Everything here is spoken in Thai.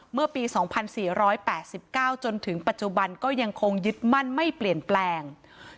เมื่อปี๒๔๘๙จนถึงปัจจุบันก็ยังคงยึดมั่นไม่เปลี่ยนแปลง